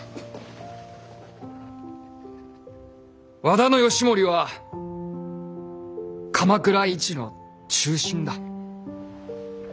和田義盛は鎌倉一の忠臣だ。